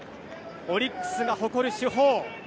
オリックスが誇る主砲